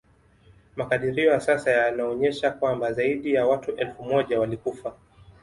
Makadirio ya sasa yanaonyesha kwamba zaidi ya watu elfu moja walikufa